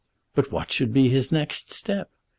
But what should be his next step?